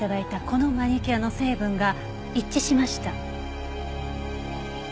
このマニキュアの成分が一致しました。